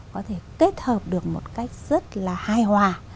có thể kết hợp được một cách rất là hài hòa